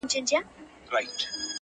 وزر مي دی راوړی سوځوې یې او که نه -